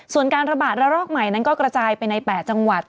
ส่วนการระบาดระลอกใหม่นั้นก็กระจายไปใน๘จังหวัด